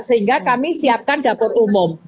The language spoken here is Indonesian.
sehingga kami siapkan dapur umum